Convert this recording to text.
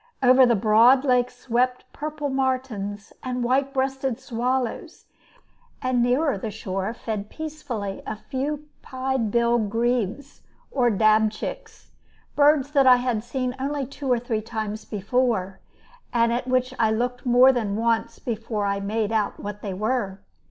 Over the broad lake swept purple martins and white breasted swallows, and nearer the shore fed peacefully a few pied billed grebes, or dabchicks, birds that I had seen only two or three times before, and at which I looked more than once before I made out what they were.